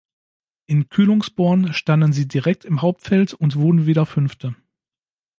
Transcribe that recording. In Kühlungsborn standen sie direkt im Hauptfeld und wurden wieder Fünfte.